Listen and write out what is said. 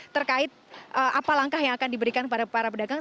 terkait apa langkah yang akan diberikan kepada para pedagang